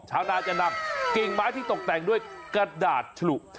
ชาวนาจะนำกิ่งไม้ที่ตกแต่งด้วยกระดาษฉลุ